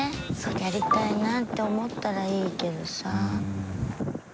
やりたいなって思ったらいいけどさ。